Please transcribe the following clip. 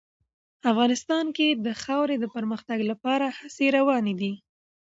افغانستان کې د خاورې د پرمختګ لپاره هڅې روانې دي.